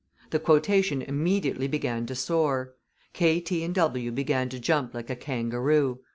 The quotation immediately began to soar. K., T. & W. began to jump like a kangaroo.